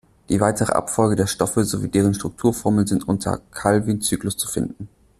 Die weitere Abfolge der Stoffe sowie deren Strukturformeln sind unter Calvin-Zyklus zu finden.